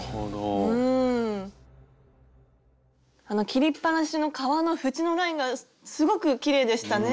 切りっぱなしの革の縁のラインがすごくきれいでしたね。